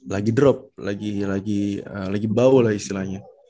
lagi drop lagi bau lah istilahnya